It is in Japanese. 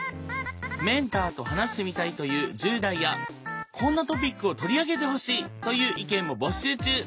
メンターと話してみたいという１０代やこんなトピックを取り上げてほしいという意見も募集中！